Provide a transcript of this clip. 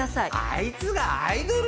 あいつがアイドル？